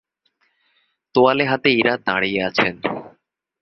তোয়ালে হাতে ইরা দাঁড়িয়ে আছেন।